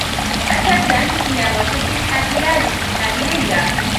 أتى سامي إلى موقف الحافلة لاصطحاب ليلى.